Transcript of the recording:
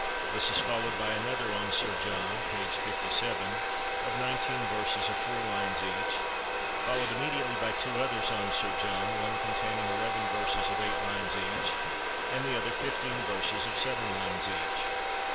This is followed by another on Sir John (p. 57), of nineteen verses of four lines each ; followed immediately by two others on Sir John, one containing eleven verses of eight lines each, and the other fifteen verses of seven lines each.